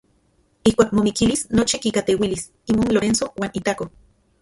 Ijkuak momikilis nochi kikajteuilis imon Lorenzo uan itako.